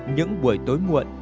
những buổi tối muộn